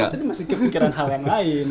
tadi masih kepikiran hal yang lain